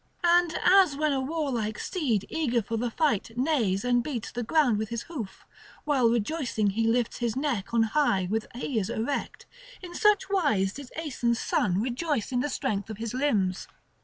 And as when a warlike steed eager for the fight neighs and beats the ground with his hoof, while rejoicing he lifts his neck on high with ears erect; in such wise did Aeson's son rejoice in the strength of his limbs.